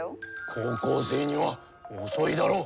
高校生には遅いだろ。